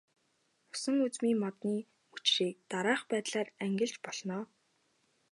Усан үзмийн модны мөчрийг дараах байдлаар ангилж болно.